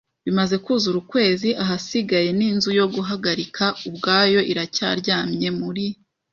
bimaze kwuzura ukwezi; ahasigaye, n'inzu yo guhagarika ubwayo, iracyaryamye muri